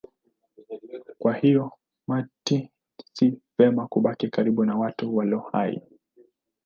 Kwa hiyo maiti si vema kubaki karibu na watu walio hai.